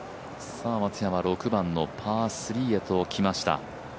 松山、６番のパー３へと来ました。